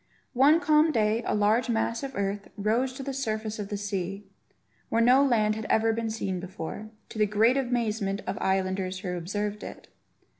One calm day a large mass of earth rose to the surface of the sea, where no land had ever been seen before, to the great amazement of islanders who observed it.